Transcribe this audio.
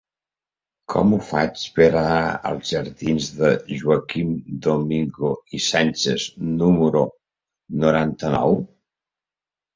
Com ho faig per anar als jardins de Joaquim Domingo i Sánchez número noranta-nou?